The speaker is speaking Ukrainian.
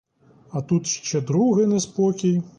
А тут ще другий неспокій!